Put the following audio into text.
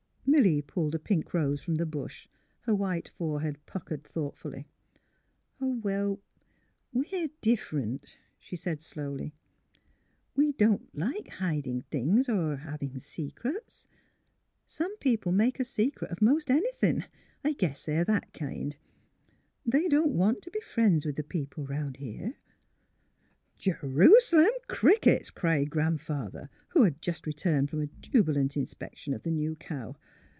Milly pulled a pink rose from the bush, her white forehead puckered thoughtfully. " Oh, well, we're — different," she said, slowly; '^ we don't like — hiding things or having secrets. Some peo ple make a secret of 'most anything. I guess MILLY DRIVES THE COW 161 they're that kind. They don't want to be friends with the people 'round here." '' J 'rus 'lem crickets !'' cried Grandfather, who had just returned from a jubilant inspection of the new cow.